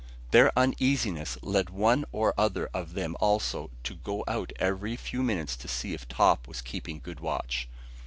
Their uneasiness led one or other of them also to go out every few minutes to see if Top was keeping good watch.